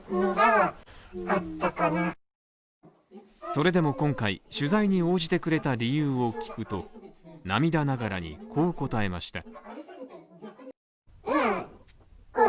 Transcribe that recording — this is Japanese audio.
それでも今回、取材に応じてくれた理由を聞くと涙ながらに、こう答えました。